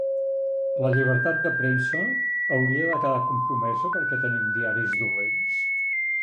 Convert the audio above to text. La llibertat de premsa hauria de quedar compromesa perquè tenim diaris dolents?